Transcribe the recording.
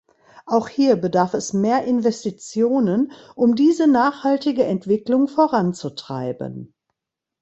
Auch hier bedarf es mehr Investitionen, um diese nachhaltige Entwicklung voranzutreiben.